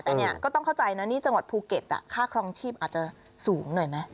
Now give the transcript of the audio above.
แต่เนี่ยก็ต้องเข้าใจนะนี่จังหวัดภูเก็ตค่าครองชีพอาจจะสูงหน่อยไหม